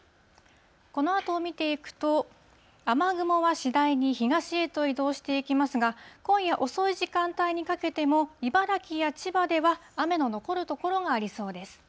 このあと見ていくと、雨雲は次第に東へと移動していきますが、今夜遅い時間帯にかけても、茨城や千葉では、雨の残る所がありそうです。